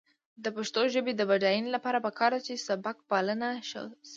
د پښتو ژبې د بډاینې لپاره پکار ده چې سبکپالنه ښه شي.